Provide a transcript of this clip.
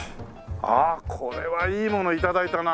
ああこれはいいもの頂いたな。